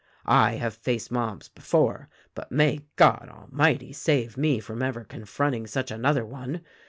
I have faced mobs before, but may God Almighty save me from ever confronting such another one.